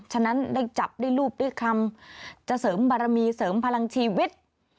ฉะนั้นได้จับได้รูปได้คำจะเสริมบารมีเสริมพลังชีวิต